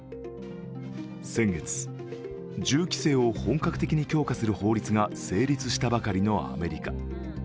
先月、銃規制を本格的に強化する法律が成立したばかりのアメリカ。